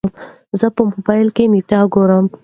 زه په موبايل کې نېټه ګورم.